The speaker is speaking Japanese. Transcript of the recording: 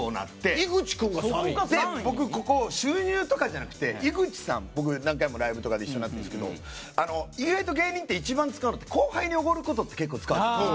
井口君が３位？収入とかじゃなくて井口さんとは、僕何回もライブとかで一緒になってますけど意外と芸人って一番使うの後輩におごることに使うんです。